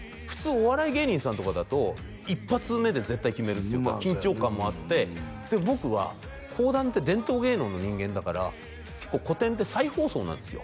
お笑い芸人さんとかだと１発目で絶対決めるっていうか緊張感もあってでも僕は講談って伝統芸能の人間だから結構古典って再放送なんですよ